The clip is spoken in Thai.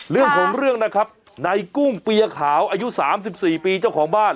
เรื่องของเรื่องนะครับในกุ้งเปียขาวอายุ๓๔ปีเจ้าของบ้าน